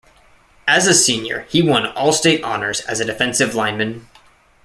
As a senior, he won all-state honors as a defensive lineman.